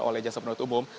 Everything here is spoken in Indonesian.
oleh jasa penutup umum